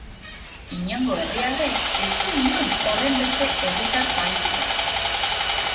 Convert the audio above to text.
Inongo herrialdek ez du inon horrenbeste herritar bahituta.